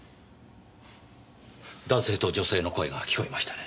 男性と女性の声が聞こえましたね。